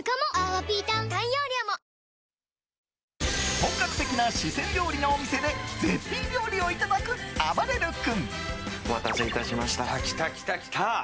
本格的な四川料理のお店で絶品料理をいただく、あばれる君。